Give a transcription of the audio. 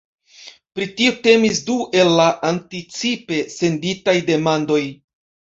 Pri tio temis du el la anticipe senditaj demandoj.